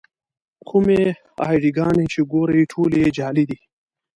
کومې اې ډي ګانې چې ګورئ ټولې یې جعلي دي.